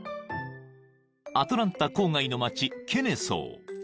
アトランタ郊外の町ケネソー］